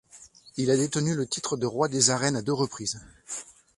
Il a détenu le titre de roi des arènes a deux reprises.